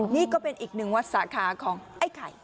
นี่ก็เป็นอีกหนึ่งวัดสาขาของไอ้ไข่